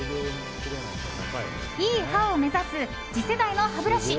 いい歯を目指す次世代の歯ブラシ。